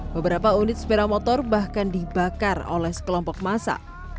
beberapa unit sepeda motor bahkan dibakar oleh sekelompok masa